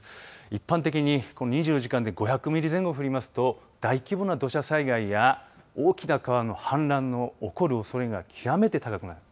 一般的に２４時間で５００ミリ前後降りますと大規模な土砂災害や大きな川の氾濫が起きる可能性が極めて高くなる。